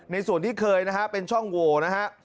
ในส่วนที่เคยนะครับเป็นช่องวัวนะครับ